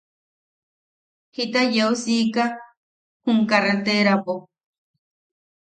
Jita yeu siika jum karreterapo.